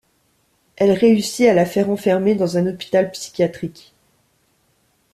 Elle réussit à la faire enfermer dans un hôpital psychiatrique.